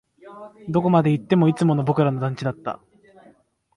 どこまで行っても、いつもの僕らの団地だった